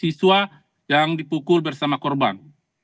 siswa yang dipukul bersama korban